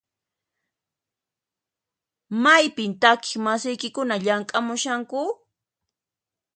Maypin takiq masiykikuna llamk'amushanku?